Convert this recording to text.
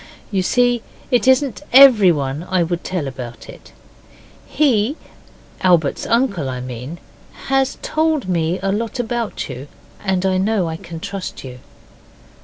You see it isn't everyone I would tell about it. He, Albert's uncle, I mean, has told me a lot about you, and I know I can trust you.